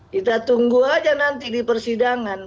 kita tunggu aja nanti di persidangan